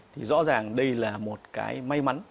thì rõ ràng đây là một cái may mắn